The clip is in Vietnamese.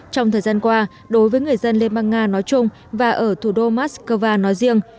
trong thời gian qua đối với người dân liên bang nga nói chung và ở thủ đô moscow nói riêng